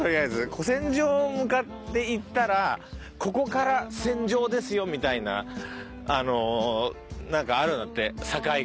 古戦場向かっていったらここから戦場ですよみたいななんかあるんだって境が。